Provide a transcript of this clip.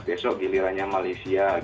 besok gilirannya malaysia